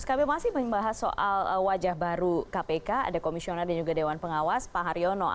kita sekarang jeda dulu